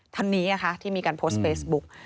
ทันีที่มีการโพสต์เฟซบุ๊ก